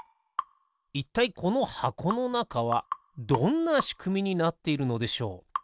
いったいこのはこのなかはどんなしくみになっているのでしょう？